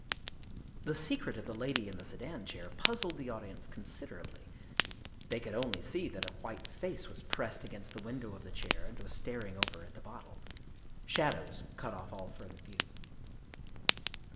The secret of the Lady in the Sedan Chair puzzled the audience considerably they could only see that a white face was pressed against the window of the chair and was star ing over at the bottle. Shadows cut off all further view.